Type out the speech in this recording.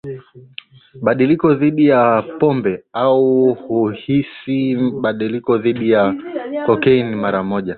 badiliko dhidi ya pombe au huhisi badiliko dhidi ya kokeni mara moja